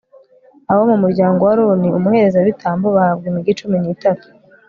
abo mu mu ryango wa aroni umuherezabitambo bahabwa imigi cumi n'itatu